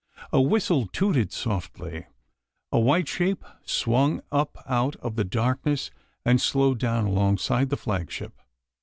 A whistle tooted softly, a white shape swung up out of the darkness and slowed down alongside the flagship.